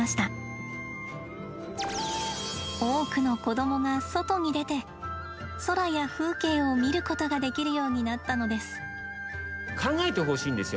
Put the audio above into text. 多くの子どもが外に出て空や風景を見ることができるようになったのです。